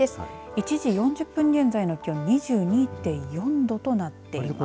１時４０分現在の気温２２．４度となっています。